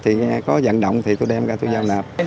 thì có vận động thì tôi đem ra tôi giao nạp